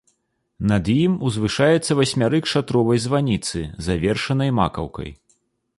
Над ім узвышаецца васьмярык шатровай званіцы, завершанай макаўкай.